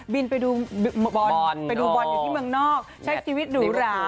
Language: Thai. บินไปดูบอลไปดูบอลอยู่ที่เมืองนอกใช้ชีวิตหรูหรา